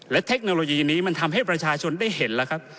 และเทคโนโลยีนี้มันทำให้ประชาชนได้เห็นแล้วครับ